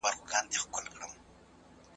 پانګوال به نوې فابريکې جوړي کړي.